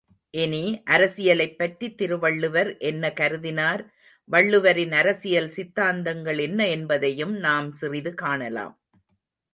இனி, அரசியலைப் பற்றி திருவள்ளுவர் என்ன கருதினார் வள்ளுவரின் அரசியல் சித்தாந்தங்கள் என்ன என்பதையும் நாம் சிறிது காணலாம்.